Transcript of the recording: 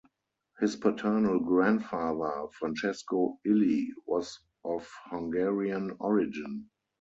His paternal grandfather, Francesco Illy, was of Hungarian origin.